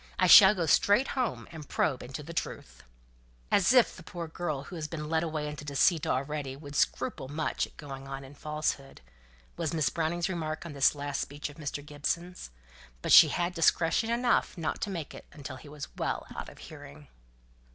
I shall go straight home, and probe into the truth." "As if the poor girl who has been led away into deceit already would scruple much at going on in falsehood," was Miss Browning's remark on this last speech of Mr. Gibson's; but she had discretion enough not to make it until he was well out of hearing.